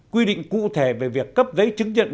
quy định cụ thể về việc cấp giấy chứng nhận